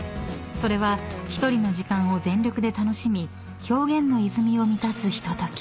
［それは一人の時間を全力で楽しみ表現の泉を満たすひととき］